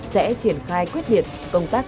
sẽ triển khai quyết liệt công tác